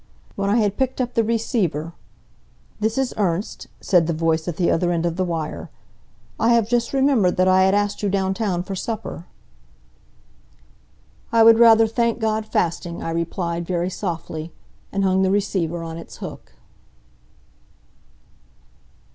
When I had picked up the receiver: "This is Ernst," said the voice at the other end of the wire. "I have just remembered that I had asked you down town for supper." "I would rather thank God fasting," I replied, very softly, and hung the receiver on its hook.